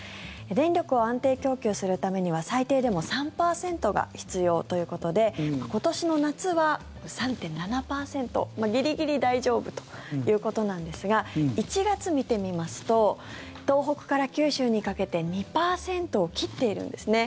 電力を安定供給するためには最低でも３％が必要ということで今年の夏は３．７％ギリギリ大丈夫ということなんですが１月、見てみますと東北から九州にかけて２％を切っているんですね。